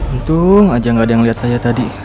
untung aja gak ada yang ngeliat saya tadi